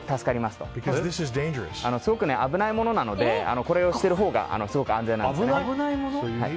すごく危ないものなのでこれをしているほうがすごく安全なんですね。